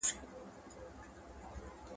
د ليکوال او خلګو ترمنځ واټن بايد کم سي.